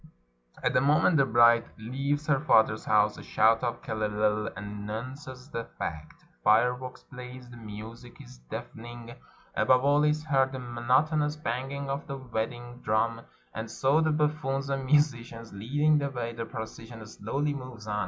At the moment the bride leaves her father's house a shout of "Kel lei lei" an nounces the fact. Fireworks blaze, the music is deafen ing, above all is heard the monotonous banging of the wedding drum. And so, the buffoons and musicians leading the way, the procession slowly moves on.